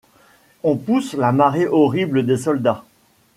On pousse la marée horrible des soldats